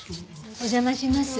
お邪魔します。